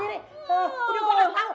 udah gue kasih tau